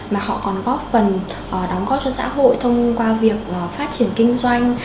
mà họ còn góp phần đóng góp cho xã hội thông qua việc phát triển kinh doanh